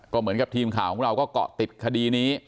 ก็เหมือนกับทีมข่าวของเราก็เกาะติดคดีนี้